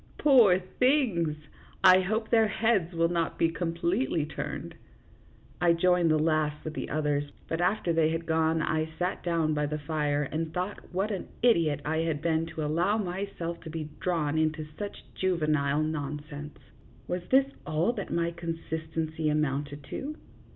Poor things ! I hope their heads will not be completely turned." I joined the laugh with the others, but after they had gone I sat down by the fire and thought what an idiot I had been to allow myself to be drawn into such juvenile nonsense. Was this all that my consistency amounted to